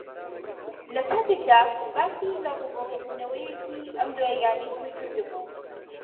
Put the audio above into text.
لەکاتێکدا باسی لە ڕووبەڕووبوونەوەیەکی ئەم دواییانەی خۆی کردبوو